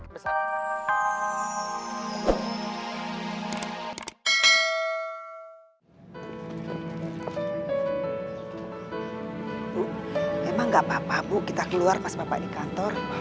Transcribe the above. bu emang gak apa apa bu kita keluar mas bapak di kantor